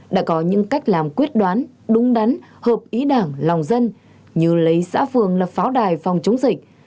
đã có những cách làm quyết đoán đúng đắn hợp ý đảng lòng dân như lấy xã phường lập pháo đài phòng chống dịch